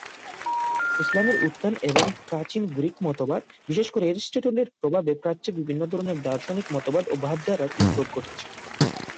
ইসলামের উত্থান এবং প্রাচীন গ্রিক মতবাদ, বিশেষ করে অ্যারিস্টটলের প্রভাবে প্রাচ্যে বিভিন্ন ধরনের দার্শনিক মতবাদ ও ভাবধারার উদ্ভব ঘটেছে।